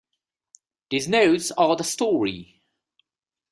These notes are the story.